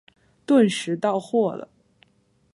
顿时到货了